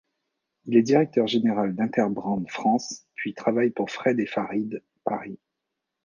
Il est directeur général d'Interbrand France puis travaille pour Fred & Farid Paris.